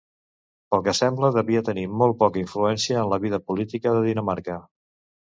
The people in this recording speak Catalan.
Pel que sembla devia tenir molt poca influència en la vida política de Dinamarca.